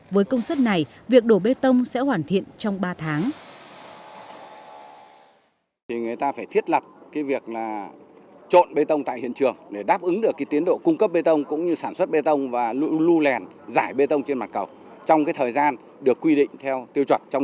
với công suất này việc đổ bê tông sẽ hoàn thiện trong ba tháng